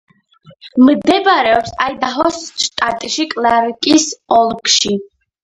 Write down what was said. მდებარეობს აიდაჰოს შტატში, კლარკის ოლქში.